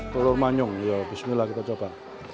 telur manyung ya bismillah kita coba